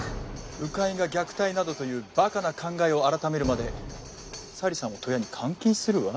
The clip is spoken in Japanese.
「鵜飼いが虐待などというバカな考えを改めるまで咲里さんを鳥屋に監禁するわ」